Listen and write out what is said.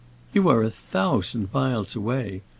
"You are a thousand miles away.